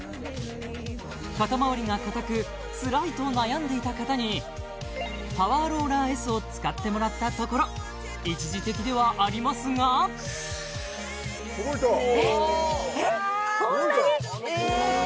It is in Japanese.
肩周りが硬くつらいと悩んでいた方にパワーローラーＳを使ってもらったところ一時的ではありますがえっこんなに！？